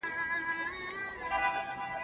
یو څه سیالي د زمانې ووینو